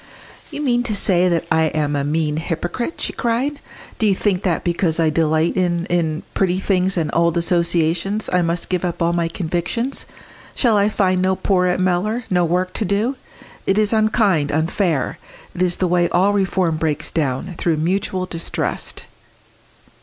"You mean to say that I am a mean hypocrite!" she cried. "Do you think that because I delight in in pretty things and old associations, I must give up all my convictions? Shall I find no poor at Mellor no work to do? It is unkind unfair. It is the way all reform breaks down through mutual distrust!"